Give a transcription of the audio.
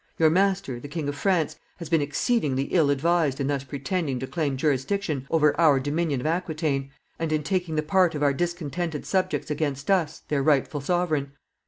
Your master, the King of France, has been exceedingly ill advised in thus pretending to claim jurisdiction over our dominion of Aquitaine, and in taking the part of our discontented subjects against us, their rightful sovereign.